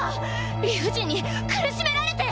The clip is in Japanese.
理不尽に苦しめられて。